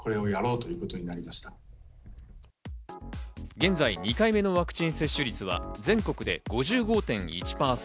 現在、２回目のワクチン接種率は全国で５５．１％